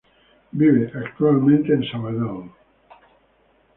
Vive actualmente en Sabadell.